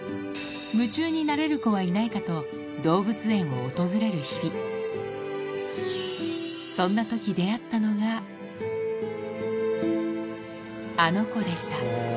夢中になれる子はいないかと動物園を訪れる日々そんな時あの子でした